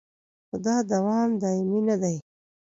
خو دا دوام دایمي نه دی